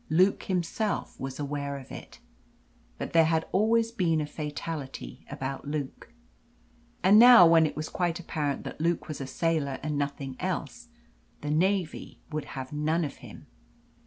Luke himself was aware of it. But there had always been a fatality about Luke. And now, when it was quite apparent that Luke was a sailor and nothing else, the Navy would have none of him.